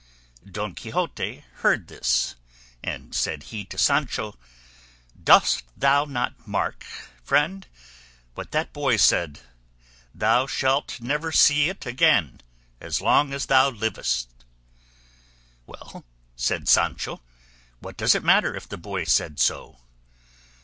Don Quixote heard this, and said he to Sancho, "Dost thou not mark, friend, what that boy said, 'Thou shalt never see it again as long as thou livest'?" "Well," said Sancho, "what does it matter if the boy said so?"